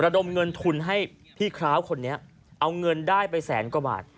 ดมเงินทุนให้พี่คร้าวคนนี้เอาเงินได้ไปแสนกว่าบาท